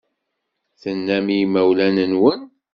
Tennam i yimawlan-nwen?